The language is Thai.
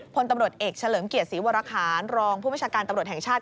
พลตำรวจเอกเฉลิมเกียรติศรีวรคารรองผู้บัญชาการตำรวจแห่งชาติ